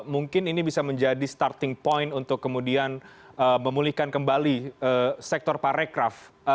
dua ribu dua puluh satu mungkin ini bisa menjadi starting point untuk kemudian memulihkan kembali sektor paracraft